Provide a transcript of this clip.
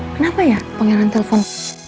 kenapa ya pangeran telpon